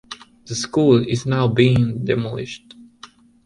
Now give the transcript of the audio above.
The school is now being demolished.